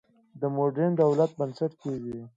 د موډرن دولت بنسټ کېږدي.